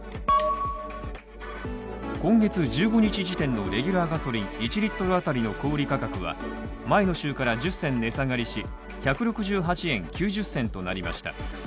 今月１５日時点のレギュラーガソリン１Ｌあたりの小売価格は、前の週から１０銭値下がりし、１６８円９０銭となりました。